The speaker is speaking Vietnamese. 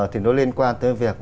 thì nó liên quan tới việc